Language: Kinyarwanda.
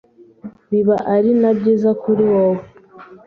biba ari na byiza kuri wowe